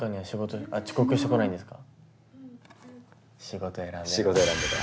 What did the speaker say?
仕事選んでる。